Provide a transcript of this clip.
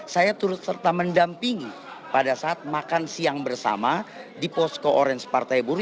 saya turut serta mendampingi pada saat makan siang bersama di posko orange partai buruh